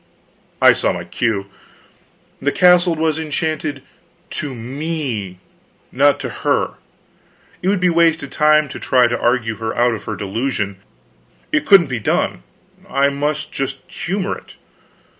I saw my cue. The castle was enchanted to me, not to her. It would be wasted time to try to argue her out of her delusion, it couldn't be done; I must just humor it.